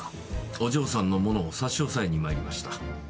お嬢さんのものを差し押さえに参りました。